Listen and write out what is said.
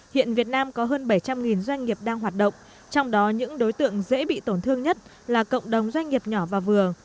hiện việt nam có hơn bảy trăm linh doanh nghiệp đang hoạt động trong đó những đối tượng dễ bị tổn thương nhất là cộng đồng doanh nghiệp nhỏ và vừa